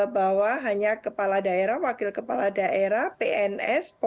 bahwa hanya kepala daerah wakil kepala daerah pns